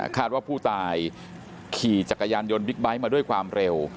ว่าผู้ตายขี่จักรยานยนต์บิ๊กไบท์มาด้วยความเร็ว